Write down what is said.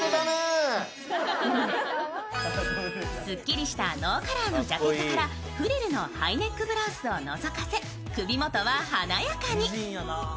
スッキリしたノーカラーのジャケットからフリルのハイネックブラウスをのぞかせ、首元は華やかに。